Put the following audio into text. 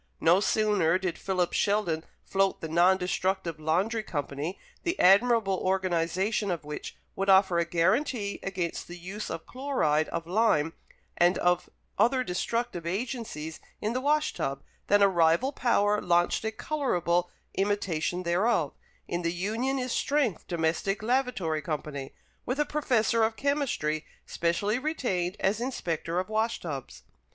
No sooner did Philip Sheldon float the Non destructive Laundry Company, the admirable organization of which would offer a guarantee against the use of chloride of lime and other destructive agencies in the wash tub, than a rival power launched a colourable imitation thereof, in the Union is Strength Domestic Lavatory Company, with a professor of chemistry specially retained as inspector of wash tubs.